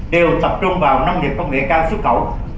đều tập trung vào nông nghiệp công nghệ cao xuất khẩu